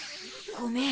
ごめん。